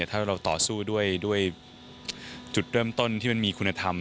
ถ้าเราต่อสู้ด้วยจุดเริ่มต้นที่มันมีคุณธรรม